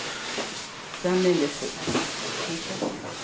残念です。